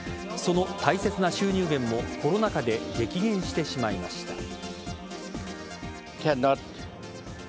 その大切な収入減もコロナ禍で激減してしまいました。